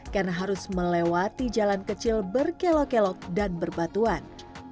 karena harus melewati jalan kecil berkelok kelok dan berbatuan